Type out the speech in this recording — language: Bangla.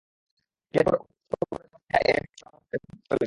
বিয়ের পর উত্তরগড়ে যাওয়া সব মেয়েরা এ উৎসবে আমন্ত্রণ পেয়ে, দক্ষিণগড়ে চলে আসে।